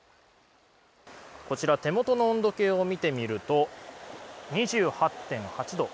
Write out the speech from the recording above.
こちら、手元の温度計を見てみると２８．８度。